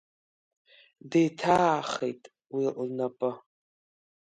Деиҭаахеит уи лнапы.